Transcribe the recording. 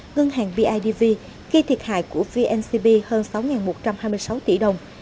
ngân hàng bidv gây thiệt hại của vncb hơn sáu một trăm hai mươi sáu tỷ đồng